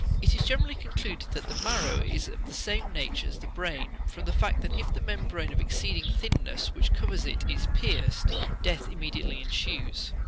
It is generally concluded that the marrow is of the same nature as the brain, from the fact that if the membrane of exceeding thinness which covers it is pierced, death immediately ensues.